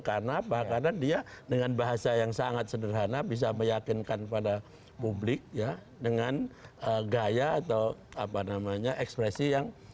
karena apa karena dia dengan bahasa yang sangat sederhana bisa meyakinkan pada publik dengan gaya atau ekspresi yang